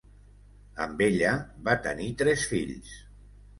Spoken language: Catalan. Amb ella va tenir tres fills.